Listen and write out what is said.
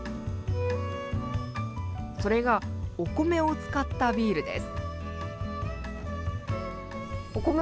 それがお米を使ったビールです。